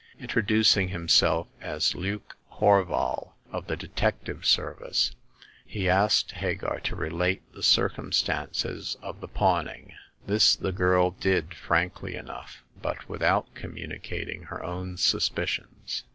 Introducing himself as Luke Horval, of the detective service, he asked Hagar to relate the circumstances of the pawn ing. This the girl did frankly enough, but with out communicating her own suspicions.